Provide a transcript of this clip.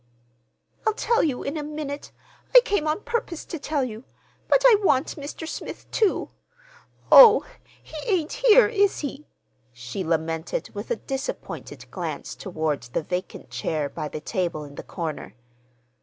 "I'll tell you in a minute. I came on purpose to tell you. But I want Mr. Smith, too. Oh, he ain't here, is he?" she lamented, with a disappointed glance toward the vacant chair by the table in the corner.